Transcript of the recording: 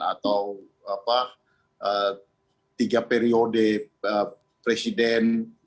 atau tiga periode presiden